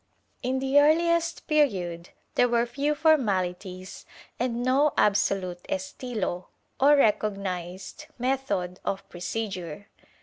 In the earliest period there were few formalities and no absolute estilo, or recognized method of procedure.